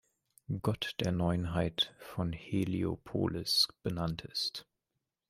Gott der Neunheit von Heliopolis" benannt ist.